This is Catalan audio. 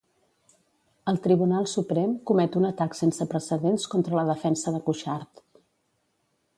El Tribunal Suprem comet un atac sense precedents contra la defensa de Cuixart.